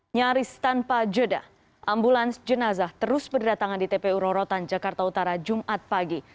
nyaris tanpa jeda ambulans jenazah terus berdatangan di tpu rorotan jakarta utara jumat pagi